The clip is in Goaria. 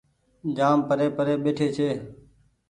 جآم پري پري ٻيٺي ڇي۔